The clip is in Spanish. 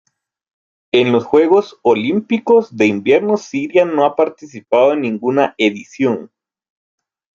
En los Juegos Olímpicos de Invierno Siria no ha participado en ninguna edición.